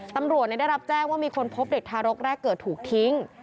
ตำรวจได้รับแจ้งว่ามีคนพบเด็กทารกแรกเกิดถูกทิ้ง